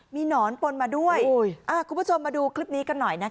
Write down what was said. มีหนอนปนมาด้วยคุณผู้ชมมาดูคลิปนี้กันหน่อยนะคะ